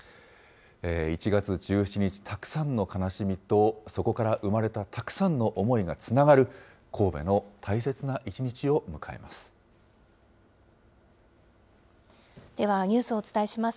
１月１７日、たくさんの悲しみと、そこから生まれたたくさんの思いがつながる神戸の大切な一日を迎えます。